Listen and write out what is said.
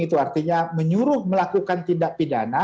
itu artinya menyuruh melakukan tindak pidana